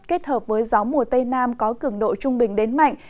kết hợp với gió mùa tây nam có cường độ trung bình đến mạnh